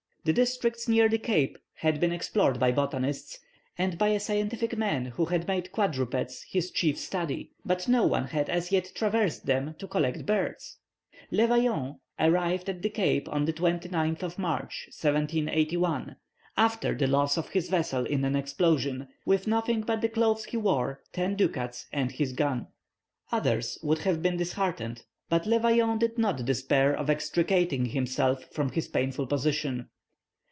The districts near the Cape had been explored by botanists, and by a scientific man who had made quadrupeds his chief study; but no one had as yet traversed them to collect birds. Le Vaillant arrived at the Cape on the 29th of March, 1781, after the loss of his vessel in an explosion, with nothing but the clothes he wore, ten ducats, and his gun. Others would have been disheartened, but Le Vaillant did not despair of extricating himself from his painful position.